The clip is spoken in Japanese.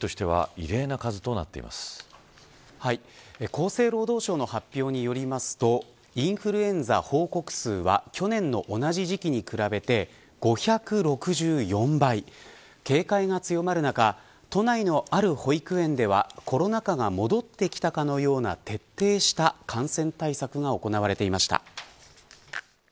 この時期としては厚生労働省の発表によるとインフルエンザ報告数は去年の同じ時期に比べて５６４倍警戒が強まる中都内のある保育園ではコロナ禍が戻ってきたかのような徹底した感染対策が行われていました。